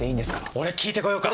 俺聞いて来ようか？